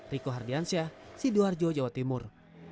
riko hardiansyah sidoarjo jawa timur